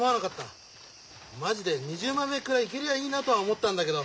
マジで２０枚目くらいいけりゃいいなとは思ったんだけど。